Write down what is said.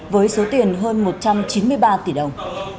với số tiền hơn một trăm chín mươi ba tỷ đồng